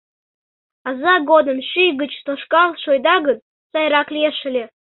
Аза годым шӱй гыч тошкал шуэда гын, сайрак лиеш ыле...